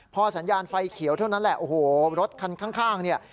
พอสัญญาณไฟเขียวเท่านั้นแหละโอ้โหรถคันข้างเนี่ย